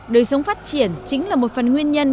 đời sống phát triển chính là một phần nguyên nhân